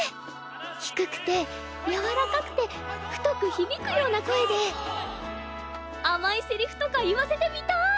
低くて柔らかくて太く響くような声で甘いセリフとか言わせてみたい！